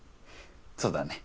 そうだね。